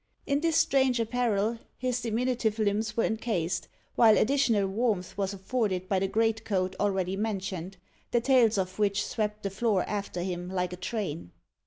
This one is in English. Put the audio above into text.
In this strange apparel his diminutive limbs were encased, while additional warmth was afforded by the greatcoat already mentioned, the tails of which swept the floor after him like a train.